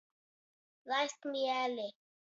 Laist mēli.